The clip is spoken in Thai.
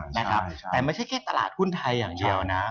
แต่ไม่ใช่แค่ตลาดหุ้นไทยอย่างเดียวนะ